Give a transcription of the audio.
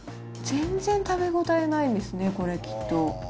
全然食べ応えないですね、これ、きっと。